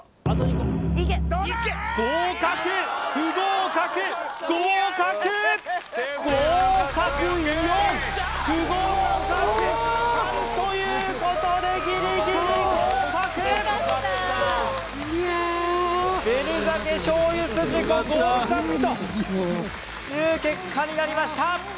合格不合格合格！ということでギリギリ合格紅鮭醤油すじこ合格という結果になりました